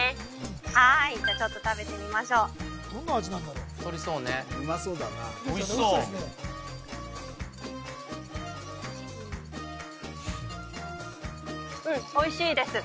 はいじゃあちょっと食べてみましょうどんな味なんだろう太りそうねうまそうだなおいしそうですね